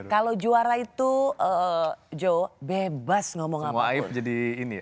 kalau juara itu joe bebas ngomong apa pun